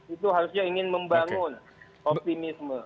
itu harusnya ingin membangun optimisme